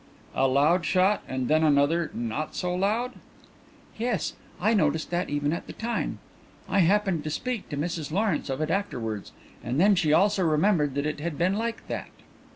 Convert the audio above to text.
"A loud shot and then another not so loud?" "Yes; I noticed that even at the time. I happened to speak to Mrs Lawrence of it afterwards and then she also remembered that it had been like that."